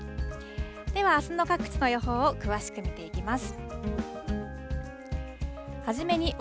ではあすの各地の予報を詳しく見ていきます。